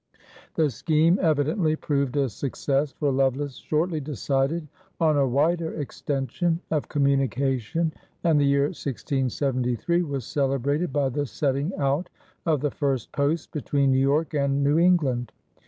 The scheme evidently proved a success, for Lovelace shortly decided on a wider extension of communication, and the year 1673 was celebrated by the setting out of the first post between New York and New England.